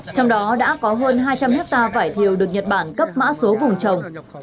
trong đó đã có hơn hai trăm linh hectare vải thiều được nhật bản cấp mã số vùng trồng